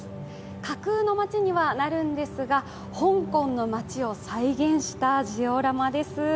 架空の街にはなるんですが香港の街を再現したジオラマです。